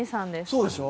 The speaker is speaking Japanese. そうでしょ。